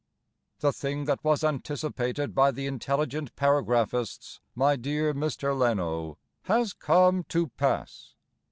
The thing that was anticipated By the intelligent paragraphists, My dear Mr. Leno, Has come to pass.